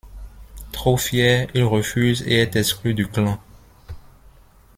Trop fier, il refuse et est exclu du clan.